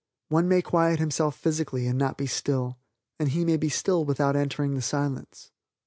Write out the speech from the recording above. One may quiet himself physically and not be still, and he may be still without entering the Silence.